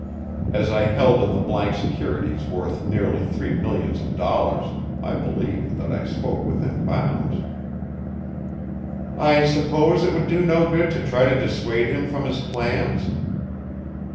As I held in the bank securities worth nearly three millions of dollars, I believed that I spoke within bounds. "I suppose it would do no good to try to dissuade him from his plans?"